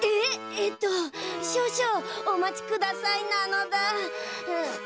えっとしょうしょうおまちくださいなのだ。